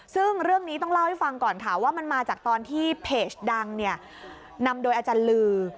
ซึ่งเรื่องนี้ต้องเล่าให้ฟังก่อนค่ะว่ามันมาจากตอนที่เพจดังเนี่ยนำโดยอาจารย์ลือ